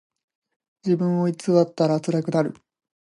自分を偽ったらつらくなる。